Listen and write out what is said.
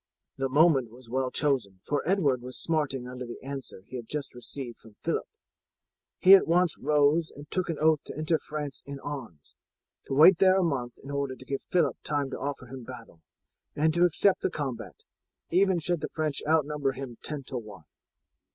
"The moment was well chosen, for Edward was smarting under the answer he had just received from Phillip. He at once rose and took an oath to enter France in arms; to wait there a month in order to give Phillip time to offer him battle, and to accept the combat, even should the French outnumber him ten to one.